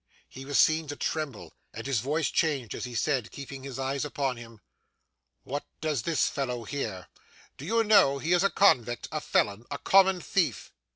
He was seen to tremble, and his voice changed as he said, keeping his eyes upon him, 'What does this fellow here? Do you know he is a convict, a felon, a common thief?